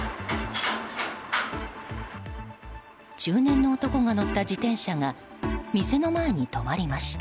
中年の男が乗った自転車が店の前に止まりました。